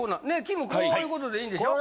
キムこういうことでいいんでしょ？